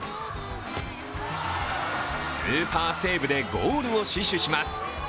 スーパーセーブでゴールを死守します。